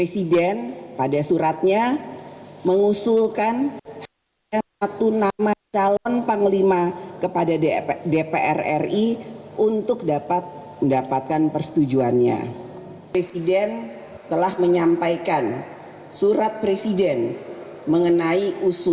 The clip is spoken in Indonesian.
jangan lupa like share dan subscribe channel ini untuk dapat info terbaru dari kami